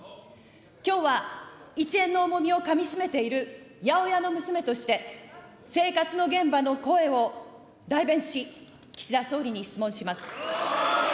きょうは１円の重みをかみしめている八百屋の娘として、生活の現場の声を代弁し、岸田総理に質問します。